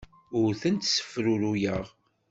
Ur tent-ssefruruyeɣ.